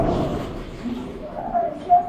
克拉尔贝克。